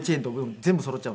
全部そろっちゃう？